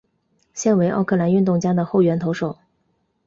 现为奥克兰运动家的后援投手。